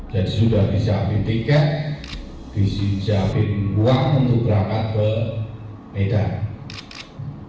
jadi sudah disiapkan tiket disiapkan uang untuk berangkat ke medan